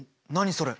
それ。